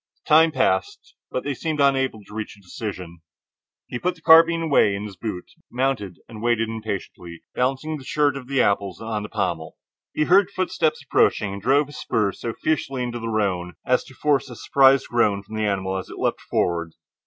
The time passed, but they seemed unable to reach a decision. He put the carbine away in its boot, mounted, and waited impatiently, balancing the shirt of apples on the pommel. He heard footsteps approaching, and drove his spurs so fiercely into the roan as to force a surprised groan from the animal as it leaped forward.